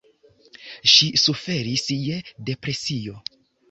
Ŝi suferis je depresio.